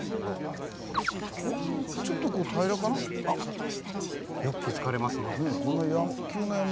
あっよく気付かれますね。